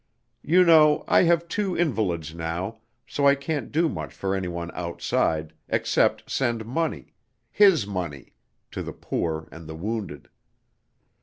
You know, I have two invalids now, so I can't do much for any one outside, except send money his money, to the poor and the wounded.